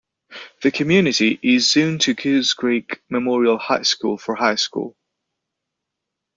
The community is zoned to Goose Creek Memorial High School for high school.